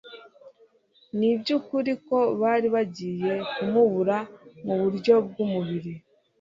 Ni iby'ukuri ko bari bagiye kumubura mu buryo bw'umubiri